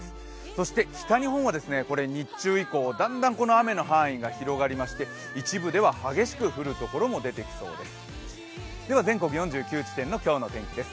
そして北日本は日中以降、だんだん雨の範囲が広がりまして一部では激しく降るところも出てきそうです。